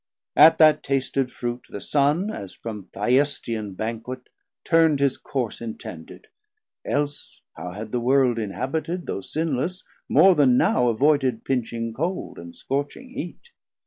At that tasted Fruit The Sun, as from Thyestean Banquet, turn'd His course intended; else how had the World Inhabited, though sinless, more then now, 690 Avoided pinching cold and scorching heate?